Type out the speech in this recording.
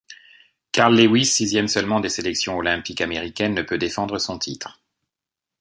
Carl Lewis, sixième seulement des sélections olympiques américaines, ne peux défendre son titre.